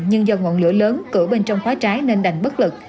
nhưng do ngọn lửa lớn cử bên trong khóa trái nên đành bất lực